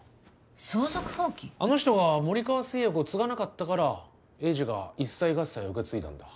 あの人が森川製薬を継がなかったから栄治が一切合切受け継いだんだ。